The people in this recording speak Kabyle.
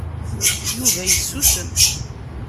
Yuba isusem.